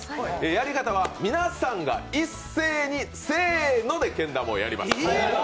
やり方は皆さんが一斉にせーのでけん玉をやります。